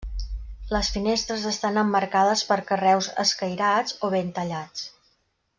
Les finestres estan emmarcades per carreus escairats o ben tallats.